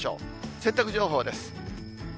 洗濯情報です。